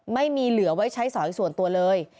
ไม่มีเหลือไว้ใช้สอยส่วนตัวเลย